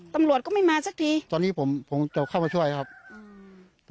ตำรวจก็ไม่มาสักทีตอนนี้ผมผมจะเข้ามาช่วยครับอืม